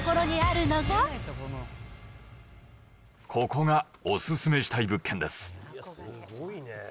ここがお勧めしたい物件です。